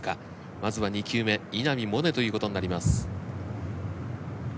まずは２球目稲見萌寧ということになります。